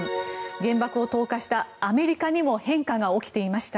原爆を投下したアメリカにも変化が起きていました。